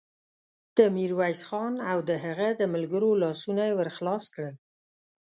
د ميرويس خان او د هغه د ملګرو لاسونه يې ور خلاص کړل.